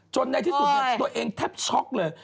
ในที่สุดตัวเองแทบช็อกเลย